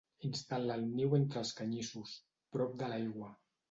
Instal·la el niu entre els canyissos, prop de l'aigua.